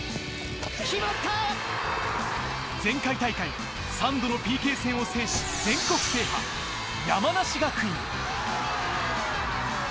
前回大会、３度のＰＫ戦を制し全国制覇、山梨学院。